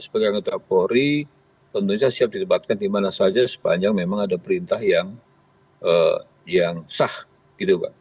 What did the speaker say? sebagai rektor kapolri tentunya siap ditempatkan dimana saja sepanjang memang ada perintah yang sah gitu mbak